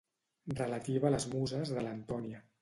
Relativa a les muses de l'Antònia.